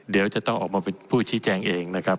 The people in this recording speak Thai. เดี๋ยวจะต้องออกมาเป็นผู้ชี้แจงเองนะครับ